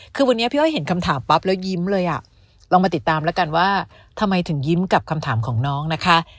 คือวันนี้พี่อ้อยเห็นคำถามปั๊บแล้วยิ้มเลยอ่ะลองมาติดตามแล้วกันว่าทำไมถึงยิ้มกับคำถามของน้องนะคะ